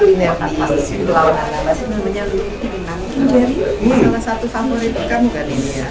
ini jadi salah satu favorit kamu kan ini ya